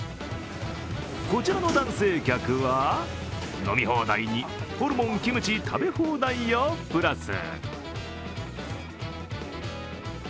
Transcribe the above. こちらの男性客は飲み放題にホルモン・キムチ食べ放題をプラス。